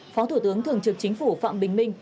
phó thủ tướng thường trực chính phủ phạm bình minh